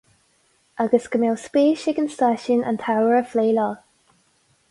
Agus go mbeadh spéis ag an stáisiún an t-ábhar a phlé leo.